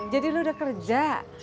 jadi lu udah kerja